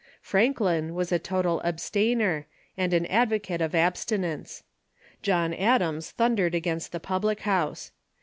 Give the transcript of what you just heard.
Franklin was a total abstainer, and an advocate of abstinence. John Adams thundered "TrSr"^^ against the public house.